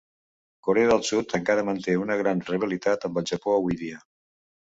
Corea del Sud encara manté una gran rivalitat amb el Japó avui dia.